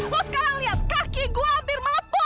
lo sekarang liat kaki gue hampir melepuh